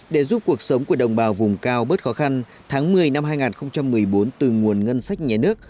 để giúp cuộc sống của đồng bào vùng cao bớt khó khăn tháng một mươi năm hai nghìn một mươi bốn từ nguồn ngân sách nhé nước